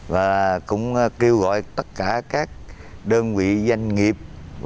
và cũng kêu gọi tất cả các đơn vị doanh nghiệp